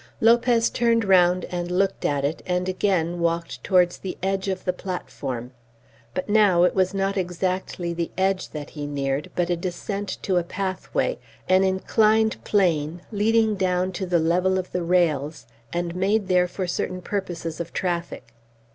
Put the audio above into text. Lopez turned round and looked at it, and again walked towards the edge of the platform. But now it was not exactly the edge that he neared, but a descent to a pathway, an inclined plane leading down to the level of the rails, and made there for certain purposes of traffic.